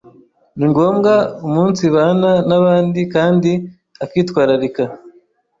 ni ngombwa umunsibana n’abandi kandi akitwararika